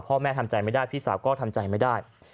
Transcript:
พ่อแม่ทำใจไม่ได้พี่สาวก็ทำใจไม่ได้